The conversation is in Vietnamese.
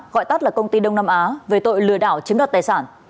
gọi tắt là công ty đông nam á về tội lừa đảo chiếm đoạt tài sản